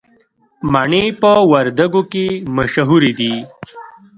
مڼې په وردګو کې مشهورې دي